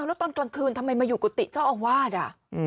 แล้วตอนกลางคืนทำไมมาอยู่กุฏิเจ้าอาวาส